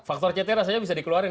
faktor ct rasanya bisa dikeluarin